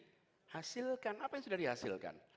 jadi hasilkan apa yang sudah dihasilkan